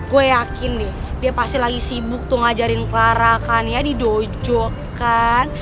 gue yakin deh dia pasti lagi sibuk tuh ngajarin clara kan ya di dojo kan